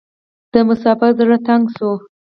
د مسافر زړه تنګ شو .